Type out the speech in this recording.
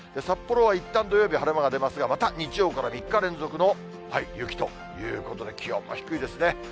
札幌はいったん、土曜日、晴れ間が出ますが、また日曜から３日連続の雪ということで、気温も低いですね。